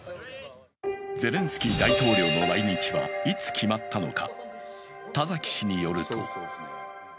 ゼレンスキー大統領の来日はいつ決まったのか。